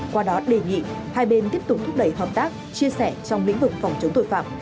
qua đó đề nghị hai bên tiếp tục thúc đẩy hợp tác chia sẻ trong lĩnh vực phòng chống tội phạm